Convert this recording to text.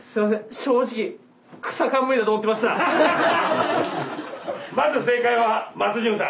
正直まず正解は松潤さん。